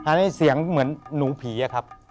อันนี้เสียงเหมือนหนูผีอะครับ